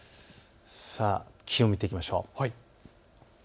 気温を見ていきましょう。